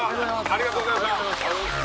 ありがとうございます。